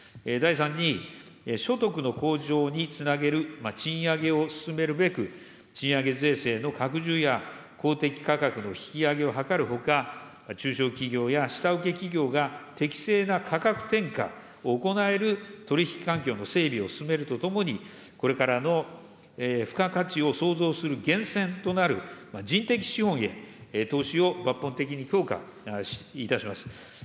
第三に所得の向上につなげる賃上げを進めるべく、賃上げ税制の拡充や、公的価格の引き上げを図るほか、中小企業や下請け企業が適正な価格転嫁を行える取り引き環境の整備を進めるとともに、これからの付加価値を創造する源泉となる人的資本へ投資を抜本的に強化いたします。